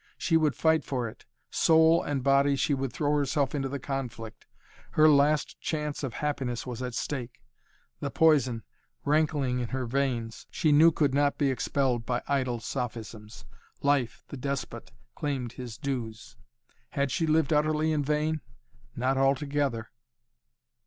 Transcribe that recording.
She would fight for it. Soul and body she would throw herself into the conflict. Her last chance of happiness was at stake. The poison, rankling in her veins, she knew could not be expelled by idle sophisms. Life, the despot, claimed his dues. Had she lived utterly in vain? Not altogether!